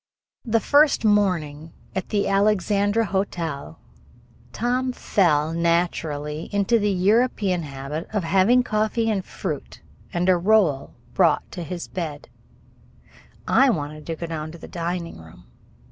The first morning at the Alexandra Hotel, Tom fell naturally into the European habit of having coffee and fruit and a roll brought to his bed. I wanted to go down to the dining room.